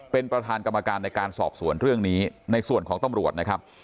เป็นประธานกรรมการในการสอบสวนเรื่องนี้ในส่วนของตำรวจนะครับ